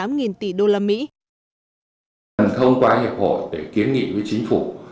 chúng ta cần thông qua hiệp hội để kiến nghị với chính phủ